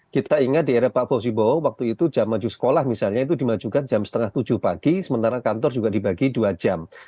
kita ingat di era pak fosibowo waktu itu jam maju sekolah misalnya itu dimajukan jam setengah tujuh pagi sementara kantor juga dibagi dua jam